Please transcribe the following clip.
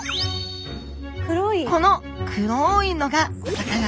この黒いのがお魚！